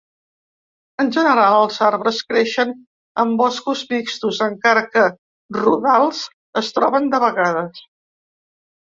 En general, els arbres creixen en boscos mixtos, encara que rodals es troben de vegades.